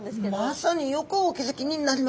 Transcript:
まさによくお気付きになりました。